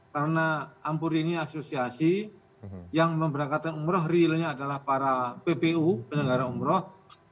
karena ampuri ini asosiasi yang memberangkatkan umroh realnya adalah para ppu penyelenggara umroh